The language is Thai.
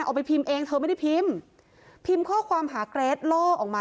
เอาไปพิมพ์เองเธอไม่ได้พิมพ์พิมพ์ข้อความหาเกรดล่อออกมา